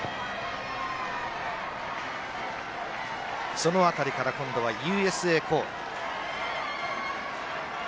その辺りから今度はＵＳＡコール。